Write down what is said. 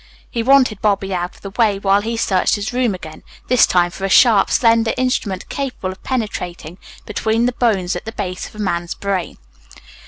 He wanted Bobby out of the way while he searched his room again, this time for a sharp, slender instrument capable of penetrating between the bones at the base of a man's brain.